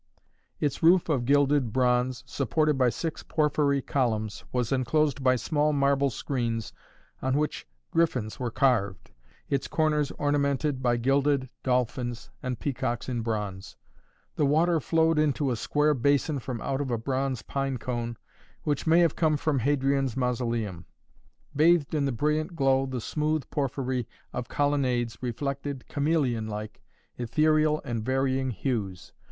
Its roof of gilded bronze, supported by six porphyry columns, was enclosed by small marble screens on which griffins were carved, its corners ornamented by gilded dolphins and peacocks in bronze. The water flowed into a square basin from out of a bronze pine cone which may have come from Hadrian's Mausoleum. Bathed in the brilliant glow the smooth porphyry colonnades reflected, chameleon like, ethereal and varying hues.